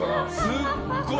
すっごい。